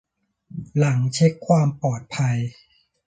หลังเช็คความปลอดภัย